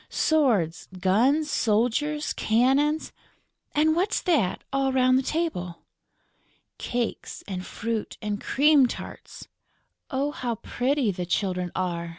"Swords, guns, soldiers, cannons...." "And what's that, all round the table?" "Cakes and fruit and cream tarts." "Oh, how pretty the children are!"